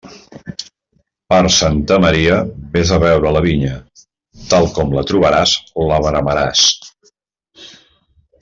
Per Santa Maria, vés a veure la vinya; tal com la trobaràs la veremaràs.